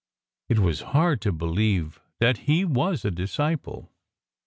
It was hard to believe that he was a disciple.